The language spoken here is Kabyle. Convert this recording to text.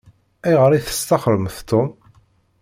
Ayɣer i testaxṛemt Tom?